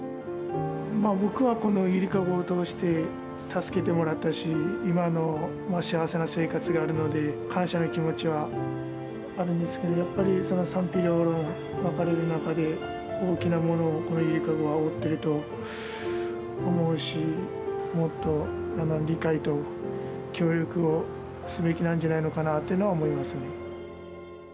僕はこのゆりかごを通して助けてもらったし、今の幸せな生活があるので、感謝の気持ちはあるんですけど、やっぱり賛否両論分かれる中で、大きなものを、このゆりかごは負っていると思うし、もっと理解と協力をすべきなんじゃないのかなっていうのは思いま